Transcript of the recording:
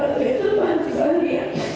yang terbantu saya